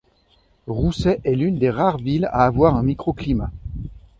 Rousset est l'une des rares villes à avoir un micro-climat.